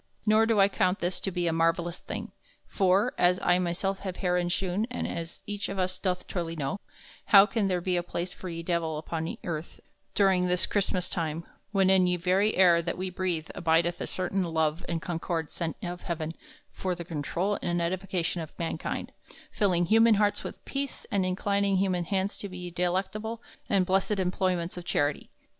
Nor do I count this to be a marvellous thing; for, as I myself have herein shewn and as eche of us doth truly know, how can there be a place for ye Divell upon earth during this Chrystmass time when in ye very air that we breathe abideth a certain love and concord sent of heaven for the controul and edification of mankind, filling human hartes with peace and inclining human hands to ye delectable and blessed employments of charity?